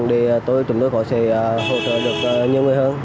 để tôi chúng tôi có thể hỗ trợ được nhiều người hơn